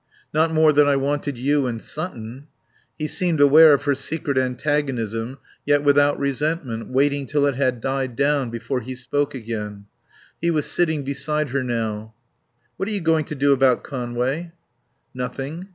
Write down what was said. "Not more than I wanted you and Sutton." He seemed aware of her secret antagonism, yet without resentment, waiting till it had died down before he spoke again. He was sitting beside her now. "What are you going to do about Conway?" "Nothing.